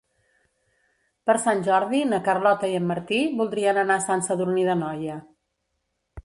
Per Sant Jordi na Carlota i en Martí voldrien anar a Sant Sadurní d'Anoia.